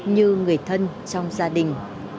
như người thân trong gia đình